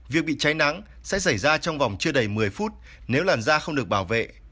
việc bị cháy nắng sẽ xảy ra trong vòng chưa đầy một mươi phút nếu làn da không được bảo vệ